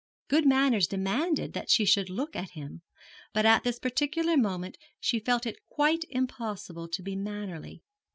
Good manners demanded that she should look at him, but at this particular moment she felt it quite impossible to be mannerly.